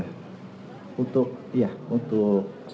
kamu sudah para pihak ini warriors estamos